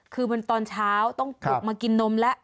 คือมันตอนเช้าต้องปลุกมากินนมแล้ว